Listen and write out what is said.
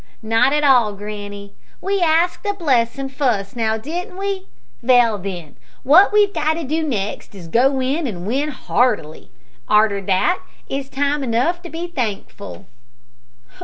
"Not at all, granny. We asked a blessin' fust, now, didn't we? Vell, then, wot we've to do next is to go in and win heartily. Arter that it's time enough to be thankful."